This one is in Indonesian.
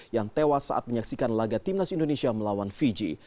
yang tewas saat menyaksikan laga timnas indonesia melawan fiji